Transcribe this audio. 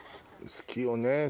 好きよね